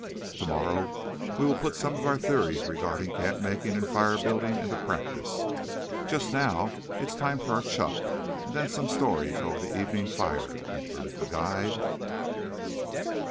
Tomorrow we will put some of our theories regarding camp making and fire building into practice. Just now it's time for our chuck and then some stories over the evening fire," concluded the guide.